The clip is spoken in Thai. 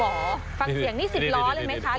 ฟังเสียงนี่สิบล้อเลยไหมคะหรือยังไง